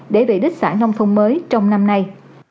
để về đích xã nông thôn mới trong năm nay